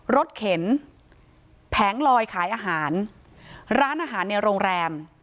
เข็นแผงลอยขายอาหารร้านอาหารในโรงแรม